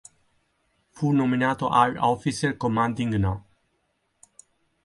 Fu nominato Air Officer Commanding No.